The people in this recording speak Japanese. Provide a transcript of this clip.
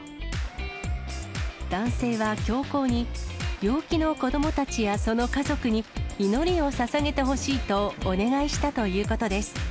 男性は教皇に、病気の子どもたちやその家族に、祈りをささげてほしいとお願いしたということです。